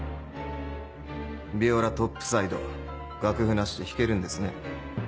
ヴィオラトップサイド楽譜なしで弾けるんですね？